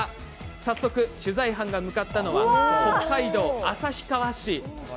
早速、取材班が向かったのは北海道旭川市。